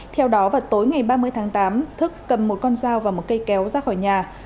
theo đó vào tối ngày ba mươi tháng tám thức cầm một con dao và một cây kéo ra khỏi nhà